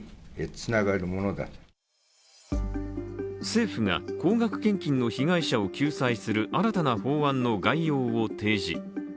政府が高額献金の被害者を救済する新たな法案の概要を提示。